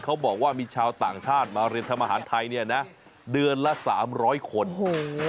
เขาบอกว่ามีชาวต่างชาติมาเรียนทำอาหารไทยเงี้ยนะเดือนละ๓๐๐คนเยอะมาก